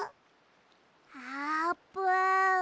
あーぷん。